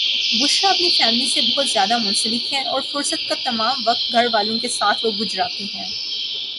بشریٰ اپنی فیملی سے بوہت زیاد منسلک ہیں اور فرست کا تمم وقت گھر والوں کے ساتھ وہ گجراتی ہیں